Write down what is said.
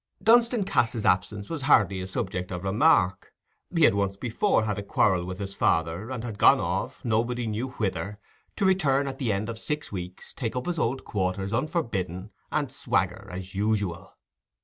Dunstan Cass's absence was hardly a subject of remark: he had once before had a quarrel with his father, and had gone off, nobody knew whither, to return at the end of six weeks, take up his old quarters unforbidden, and swagger as usual.